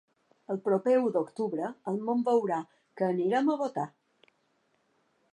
El proper u d’octubre el món veurà que anirem a votar.